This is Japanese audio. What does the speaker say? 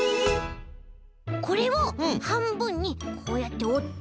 これをはんぶんにこうやっておって。